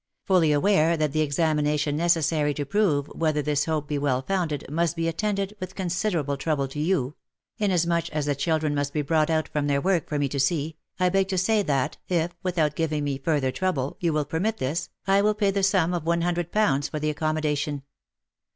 Fully aware that the examination necessary to prove whether this hope be well founded, must be attended with considerable trouble to you — inasmuch as the children must be brought out from their work for me to see, I beg to say that, if, without giving me further trouble, you will permit this, I will pay the sum of one hundred pounds for the accom modation.